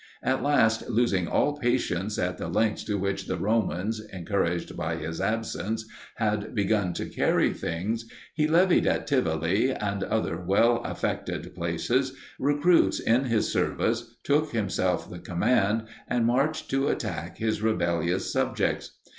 At last, losing all patience at the lengths to which the Romans encouraged by his absence had begun to carry things, he levied at Tivoli, and other well affected places, recruits in his service, took himself the command, and marched to attack his rebellious subjects.